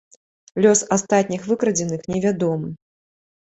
Лёс астатніх выкрадзеных невядомы.